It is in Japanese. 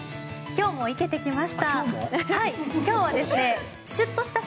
今日も生けてきました。